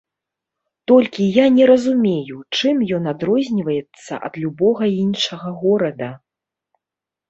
Толькі я не разумею, чым ён адрозніваецца ад любога іншага горада?